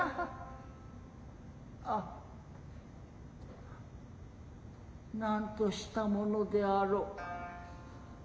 ア何としたものであろう。